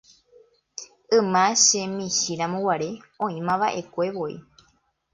yma chemichĩramo guare oĩmava'ekuevoi